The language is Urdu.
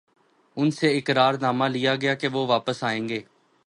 ان سے اقرار نامہ لیا گیا کہ وہ واپس آئیں گے۔